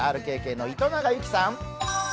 ＲＫＫの糸永有希さん。